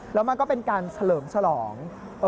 แล้วมันก็เป็นการเฉลิมฉลอง